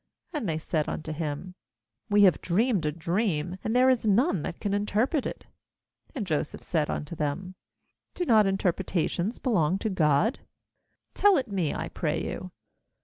8And they said unto him: 'We have dreamed a dream, and there is none that can interpret it.' And Joseph said unto them: 'Do not interpretations belong to God? tell it me, I pray you.'